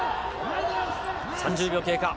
３０秒経過。